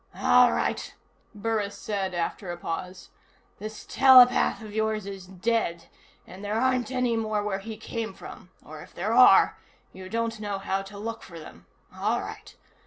"All right," Burris said after a pause. "This telepath of yours is dead, and there aren't any more where he came from. Or if there are, you don't know how to look for them. All right.